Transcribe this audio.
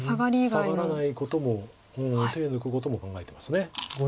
サガらないことも手抜くことも考えてます。